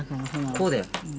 こうだよ。